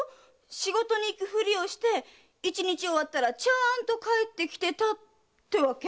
仕事に行く振りをして一日が終わったらちゃんと帰ってきてたってわけ？